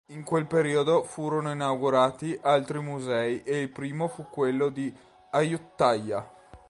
In quel periodo furono inaugurati altri musei e il primo fu quello di Ayutthaya.